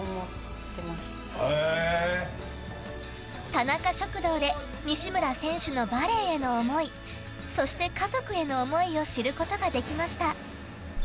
田中食堂で西村選手のバレーへの思いそして家族への思いを知ることができました。